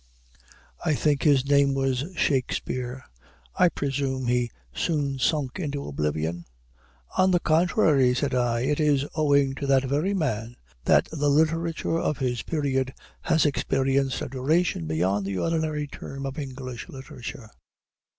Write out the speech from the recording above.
I think his name was Shakspeare. I presume he soon sunk into oblivion." "On the contrary," said I, "it is owing to that very man that the literature of his period has experienced a duration beyond the ordinary term of English literature.